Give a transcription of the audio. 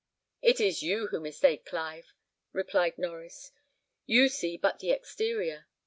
"It is you who mistake, Clive," replied Norries; "you see but the exterior.